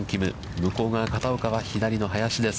向こう側、片岡は左の林です。